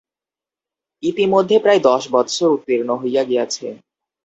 ইতিমধ্যে প্রায় দশ বৎসর উত্তীর্ণ হইয়া গিয়াছে।